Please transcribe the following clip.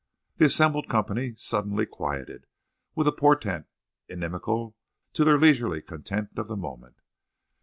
The assembled company suddenly quieted with a portent inimical to their leisurely content of the moment.